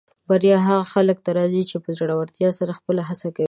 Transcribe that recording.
بریا هغه خلکو ته راځي چې په زړۀ ورتیا سره خپله هڅه کوي.